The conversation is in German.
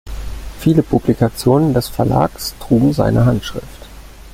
Viele Publikationen des Verlags trugen seine Handschrift.